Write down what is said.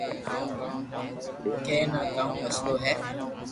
ڪئي ٺا ڪاو مسلو ھي